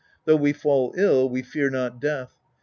Though we fall ill, we fear not death.